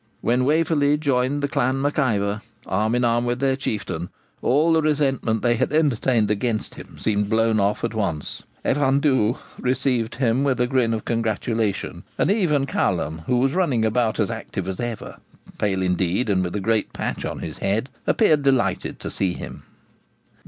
When Waverley joined the clan Mac Ivor, arm in arm with their Chieftain, all the resentment they had entertained against him seemed blown off at once. Evan Dhu received him with a grin of congratulation; and even Callum, who was running about as active as ever, pale indeed, and with a great patch on his head, appeared delighted to see him.